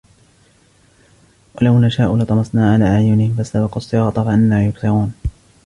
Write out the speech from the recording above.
وَلَوْ نَشَاءُ لَطَمَسْنَا عَلَى أَعْيُنِهِمْ فَاسْتَبَقُوا الصِّرَاطَ فَأَنَّى يُبْصِرُونَ